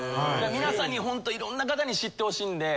皆さんにホントいろんな方に知ってほしいんで。